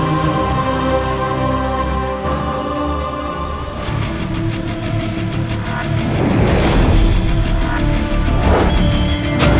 mereka harus ber tradicional